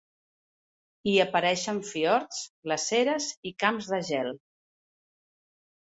Hi apareixen fiords, glaceres i camps de gel.